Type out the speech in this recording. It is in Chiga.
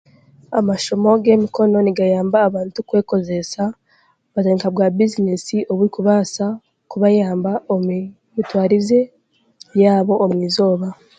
Amashomo g'emikono nigayamba abantu kwekozeesa kugira nka bwabizinesi obu kubaasa kubayamba omu mitwarize yaabo omu izooba.